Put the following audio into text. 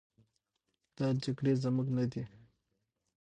دا جګړې زموږ نه دي.